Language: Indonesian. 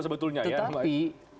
sebetulnya ya tetapi